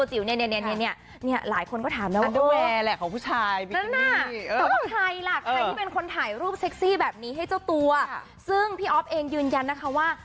ใครแหละใครที่เป็นคนถ่ายรูปแบบที่ให้เจ้าตัวซึ่งพี่ยืนยันนะคะว่า